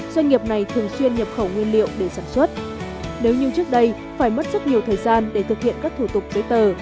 doanh nghiệp này thường xuyên nhập khẩu nguyên liệu để sản xuất nếu như trước đây phải mất rất nhiều thời gian để thực hiện các thủ tục giấy tờ